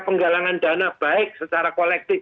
penggalangan dana baik secara kolektif